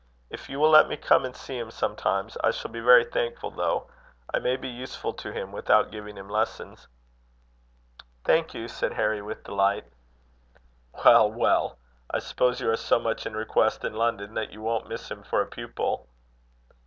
If you will let me come and see him sometimes, I shall be very thankful, though. I may be useful to him without giving him lessons." "Thank you," said Harry with delight. "Well, well! I suppose you are so much in request in London that you won't miss him for a pupil."